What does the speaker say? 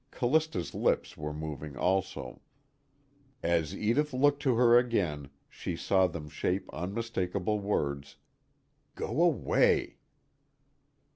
Callista's lips were moving also. As Edith looked to her again, she saw them shape unmistakable words: "_Go away!